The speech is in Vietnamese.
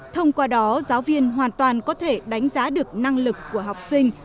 thông qua đó giáo viên hoàn toàn có thể đánh giá được năng lực của học sinh